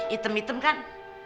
hitam hitam kan